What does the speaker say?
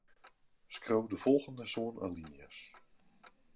Skriuw de folgjende sân alinea's.